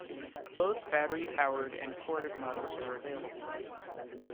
Both battery-powered and corded models are available.